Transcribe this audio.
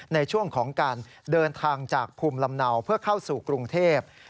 ในช่วงของการเดินทางจากภูมิลำเนาเพื่อเข้าสู่กรุงเทพ